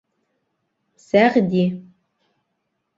— Сәғди.